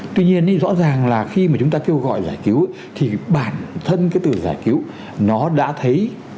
tuy nhiên rõ ràng là khi mà chúng ta kêu gọi giải cứu thì bản thân cái từ giải cứu nó đã thấy